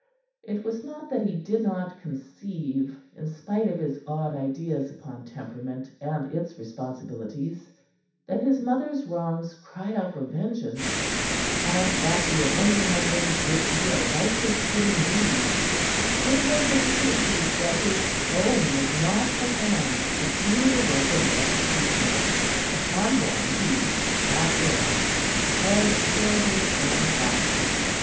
It was not that he did not conceive, in spite of his odd ideas upon temperament and its responsibilities, that his mother's' wrongs cried out for vengeance, and that the avenging of them would be a righteous, fitting deed; but it was that he conceived that his own was not the hand to do the work of the executioner upon one who after all was still his own father.